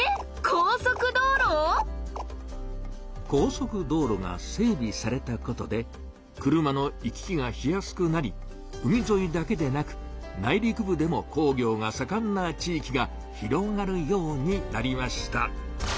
高速道路⁉高速道路が整びされたことで車の行き来がしやすくなり海ぞいだけでなく内陸部でも工業がさかんな地域が広がるようになりました。